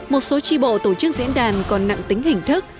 một số tri bộ tổ chức diễn đàn còn nặng tính hình thức